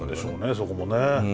そこもね。